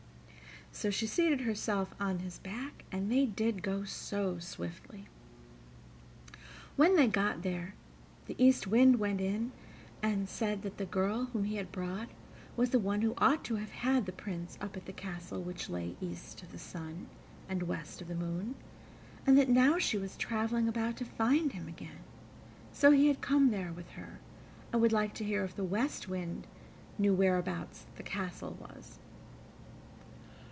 So she seated herself on his back, and they did go so swiftly! When they got there, the East Wind went in and said that the girl whom he had brought was the one who ought to have had the Prince up at the castle which lay east of the sun and west of the moon, and that now she was traveling about to find him again, so he had come there with her, and would like to hear if the West Wind knew whereabout the castle was.